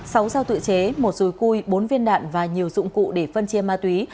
sáu dao tự chế một dùi cui bốn viên đạn và nhiều dụng cụ để phân chia ma túy